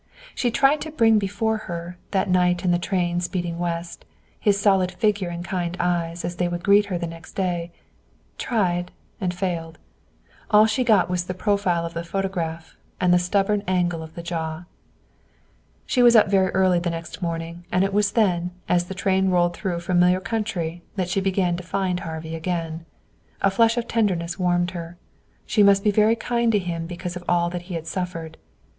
She tried to bring before her, that night in the train speeding west, his solid figure and kind eyes as they would greet her the next day tried, and failed. All she got was the profile of the photograph, and the stubborn angle of the jaw. She was up very early the next morning, and it was then, as the train rolled through familiar country, that she began to find Harvey again. A flush of tenderness warmed her. She must be very kind to him because of all that he had suffered.